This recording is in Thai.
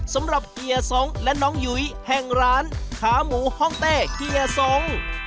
สำหรับเกียร์สองและน้องหยุยแห่งร้านขาหมูห้องเต้เกียร์สอง